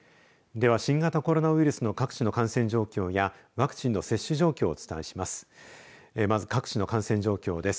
では、新型コロナウイルスの各地の感染状況やワクチンの接種状況をお伝えします。